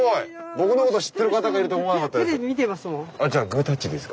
僕のこと知ってる方がいると思わなかったです。